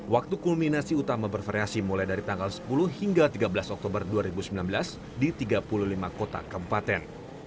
waktu kulminasi utama bervariasi mulai dari tanggal sepuluh hingga tiga belas oktober dua ribu sembilan belas di tiga puluh lima kota kempaten